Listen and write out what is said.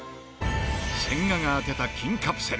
千賀が当てた金カプセル。